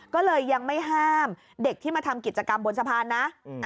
ก็เลยยังไม่ห้ามเด็กที่มาทำกิจกรรมบนสะพานนะ